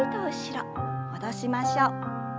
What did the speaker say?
戻しましょう。